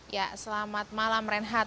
ya selamat malam renhat